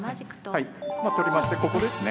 はいまあ取りましてここですね。